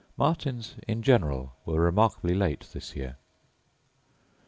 Martins in general were remarkably late this year.